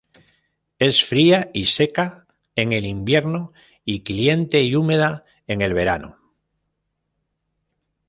Es fría y seca en el invierno y cliente y húmeda en el verano.